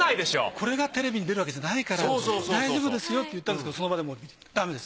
これがテレビに出るわけじゃないから大丈夫ですよって言ったんですけどその場でだめです。